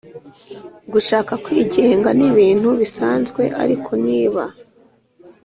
Gushaka kwigenga ni ibintu bisanzwe Ariko niba